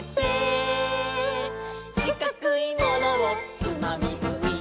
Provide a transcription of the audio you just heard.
「しかくいものをつまみぐい」